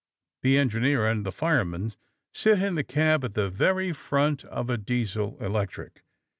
The engineer and the fireman sit in the cab at the very front of a Diesel electric.